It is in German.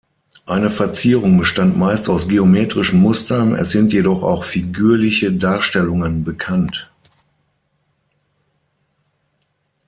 Eine Verzierung bestand meist aus geometrischen Mustern, es sind jedoch auch figürliche Darstellungen bekannt.